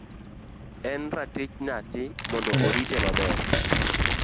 En ratich nyathi mondo orite maber.